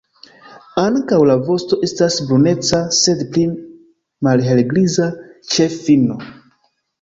Ankaŭ la vosto estas bruneca, sed pli malhelgriza ĉe fino.